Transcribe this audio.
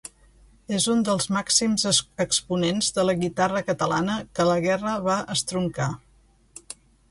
És un dels màxims exponents de la guitarra catalana que la guerra va estroncar.